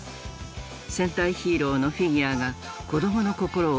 戦隊ヒーローのフィギュアが子どもの心をわしづかみ。